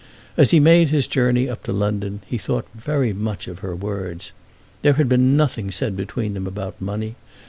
As he made his journey up to London he thought very much of her words. There had been nothing said between them about money.